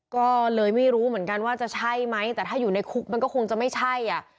ก็เลยไม่รู้เหมือนกันว่าจะใช่ไหมแต่ถ้าอยู่ในคุกมันก็คงจะไม่ใช่อ่ะ